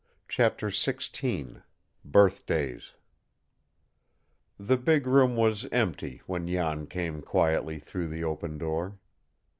CHAPTER XVI BIRTHDAYS The big room was empty when Jan came quietly through the open door.